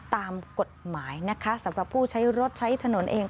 ตามกฎหมายนะคะสำหรับผู้ใช้รถใช้ถนนเอง